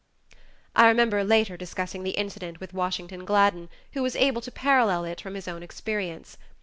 I remember later discussing the incident with Washington Gladden who was able to parallel it from his own experience.